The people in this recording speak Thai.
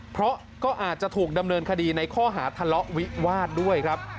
เพราะก็อาจจะถูกดำเนินคดีในข้อหาทะเลาะวิวาสด้วยครับ